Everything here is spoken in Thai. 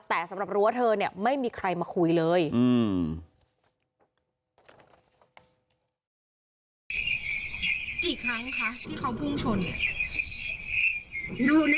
แต่สำหรับรั้วเธอเนี่ยไม่มีใครมาคุยเลย